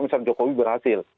misal jokowi berhasil